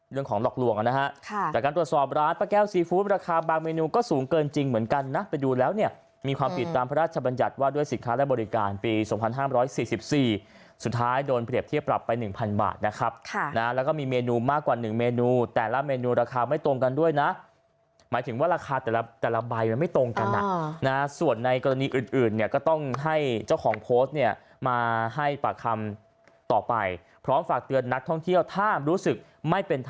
แต่การตรวจสอบร้านปะแก้วซีฟู้ดราคาบางเมนูก็สูงเกินจริงเหมือนกันไปดูแล้วมีความผิดตามพระราชบัญญัติว่าด้วยสินค้าและบริการปี๒๕๔๔สุดท้ายโดนเปรียบเทียบปรับไป๑๐๐๐บาทและมีเมนูมากกว่า๑เมนูแต่ละเมนูราคาไม่ตรงกันด้วยหมายถึงว่าราคาแต่ละใบไม่ตรงกันส่วนในกรณี